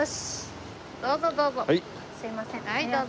どうぞどうぞ。